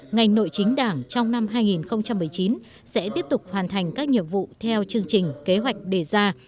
ngành nội chính đảng trong năm hai nghìn một mươi chín sẽ tiếp tục hoàn thành các nhiệm vụ theo chương trình kế hoạch đề ra